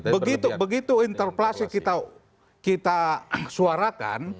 begitu begitu interpelasi kita suarakan